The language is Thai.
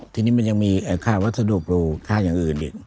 ทีนี้มันยังมีค่าวัสดุค่าอย่างอื่นอีก